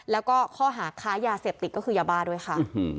แล้วก็ข้อหาค้ายาเสพติดก็คือยาบ้าด้วยค่ะ